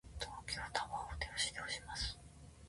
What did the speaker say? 東京タワーを手押しで押します。